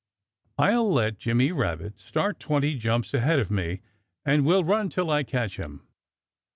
I'll let Jimmy Rabbit start twenty jumps ahead of me and we'll run till I catch him."